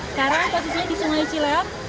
sekarang posisinya di sungai cileok